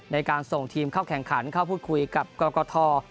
ในการส่งทีมเข้าแข่งขันเข้าพูดคุยกับกรกฐ